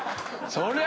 そりゃ